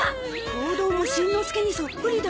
行動もしんのすけにそっくりだ。